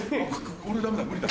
俺ダメだ無理だ。